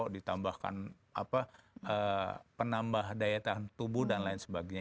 ditambahkan penambah daya tahan tubuh dan lain sebagainya